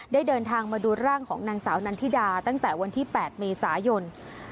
เดินทางมาดูร่างของนางสาวนันทิดาตั้งแต่วันที่๘เมษายน